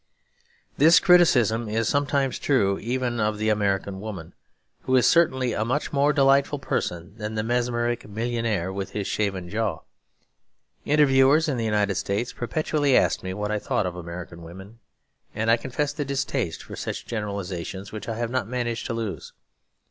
This criticism is sometimes true even of the American woman, who is certainly a much more delightful person than the mesmeric millionaire with his shaven jaw. Interviewers in the United States perpetually asked me what I thought of American women, and I confessed a distaste for such generalisations which I have not managed to lose.